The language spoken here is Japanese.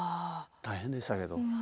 大変でしたけど。